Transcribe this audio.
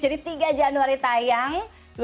jadi tiga januari tayang dua ribu sembilan belas